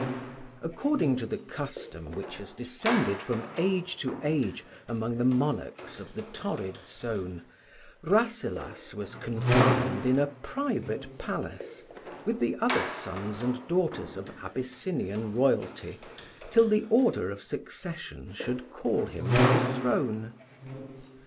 According to the custom which has descended from age to age among the monarchs of the torrid zone, Rasselas was confined in a private palace, with the other sons and daughters of Abyssinian royalty, till the order of succession should call him to the throne.